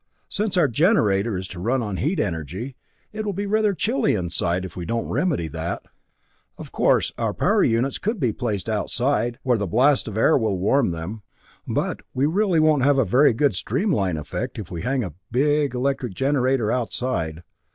Since our generator is to run on heat energy, it will be rather chilly inside if we don't remedy that. Of course, our power units could be placed outside, where the blast of air will warm them, but we really won't have a very good streamline effect if we hang a big electric generator outside."